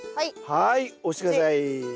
はい押して下さい。